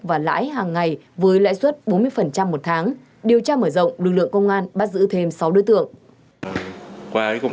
và lãi hàng ngày với lãi suất bốn mươi một tháng điều tra mở rộng lực lượng công an bắt giữ thêm sáu đối tượng